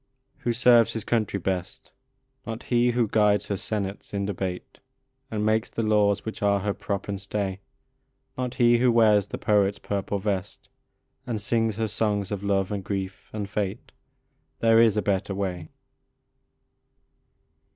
Who serves his country best ? Not he who guides her senates in debate, And makes the laws which are her prop and stay ; Not he who wears the poet s purple vest, And sings her songs of love and grief and fate : There is a better way.